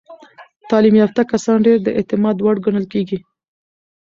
تعلیم یافته کسان ډیر د اعتماد وړ ګڼل کېږي.